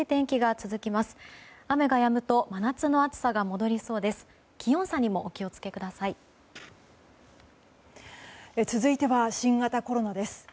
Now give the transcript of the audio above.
続いては新型コロナです。